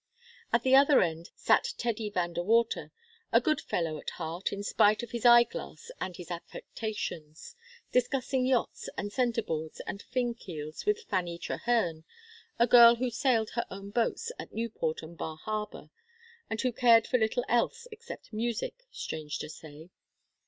At the other end sat Teddy Van De Water, a good fellow at heart in spite of his eyeglass and his affectations, discussing yachts and centreboards and fin keels with Fanny Trehearne, a girl who sailed her own boats at Newport and Bar Harbor, and who cared for little else except music, strange to say.